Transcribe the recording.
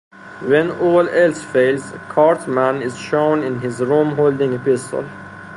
When all else fails, Cartman is shown in his room holding a pistol.